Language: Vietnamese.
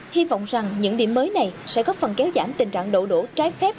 hy vọng rằng những điểm mới này sẽ góp phần kéo giảm tình trạng đổ trái phép